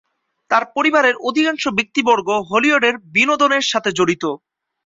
তার পরিবারের অধিকাংশ ব্যক্তিবর্গ হলিউডের বিনোদনের সাথে জড়িত।